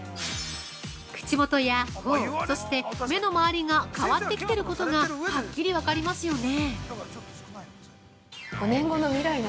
◆口元や頬、そして目の周りが変わってきてることがはっきり分かりますよね。